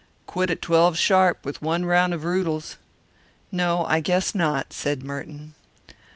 "Quit at twelve sharp, with one round of roodles." "No, I guess not," said Merton.